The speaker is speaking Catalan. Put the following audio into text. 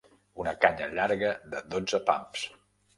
Una canya llarga de dotze pams.